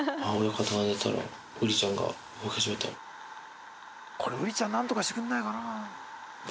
これウリちゃん何とかしてくれないかな。